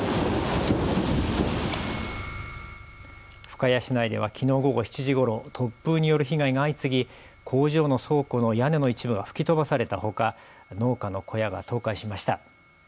深谷市内ではきのう午後７時ごろ、突風による被害が相次ぎ工場の倉庫の屋根の一部が吹き飛ばされたほか農家の小屋が倒壊しました。